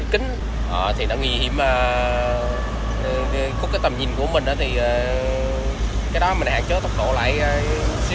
kính thì nó nguy hiểm mà có cái tầm nhìn của mình thì cái đó mình hạn chế tầm nhìn lại một xíu